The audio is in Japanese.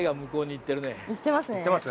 いってます？